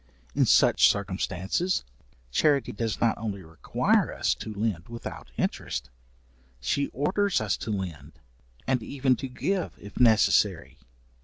In such circumstances, charity does not only require us to lend without interest, she orders us to lend, and even to give if necessary.